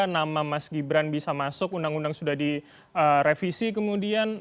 nama mas gibran bisa masuk undang undang sudah direvisi kemudian